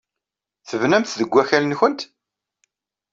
Tebnamt deg wakal-nwent?